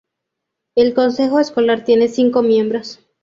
El consejo escolar tiene cinco miembros.